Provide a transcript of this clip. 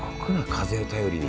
風を頼りに。